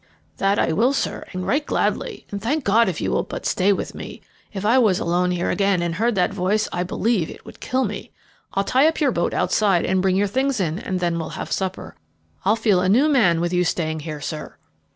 "That I will, sir, and right gladly, and thank God if you will but stay with me. If I was alone here again, and heard that voice, I believe it would kill me. I'll tie up your boat outside, and bring your things in, and then we'll have supper. I'll feel a new man with you staying here, sir."